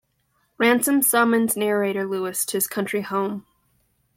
Ransom summons narrator-Lewis to his country home.